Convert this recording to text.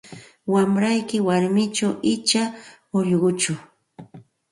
Wamrayki warmichu icha ullquchu?